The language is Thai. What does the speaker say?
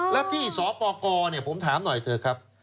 แล้วที่สปกรผมถามหน่อยเถอะครับ